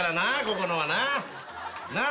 ここのはな。